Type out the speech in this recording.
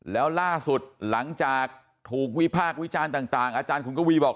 แล้วล่าสุดหลังจากถูกวิพากษ์วิจารณ์ต่างอาจารย์ขุนกวีบอก